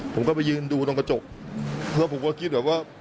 ผมก็ไปยืนดูตรงกระจกแล้วผมก็คิดแบบว่า